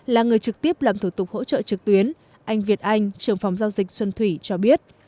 là người trực tiếp làm thủ tục hỗ trợ trực tuyến anh việt anh trưởng phòng giao dịch xuân thủy cho biết